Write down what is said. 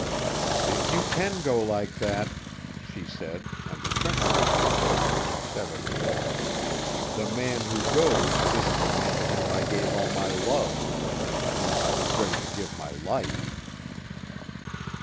"If you can go like that," she said, and the tremor left her voice as she said it, "the man who goes isn't the man to whom I gave all my love and to whom I was ready to give my life."